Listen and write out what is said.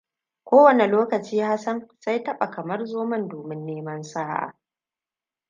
Ko wane lokaci Hassan sai taba kamar zomon domin neman sa'a.